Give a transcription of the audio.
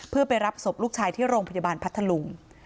เพื่อไปรับศพลูกชายที่โรงพยาบาลพัทธลุง